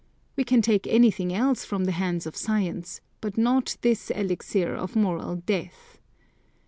We can take anything else from the hands of science, but not this elixir of moral death.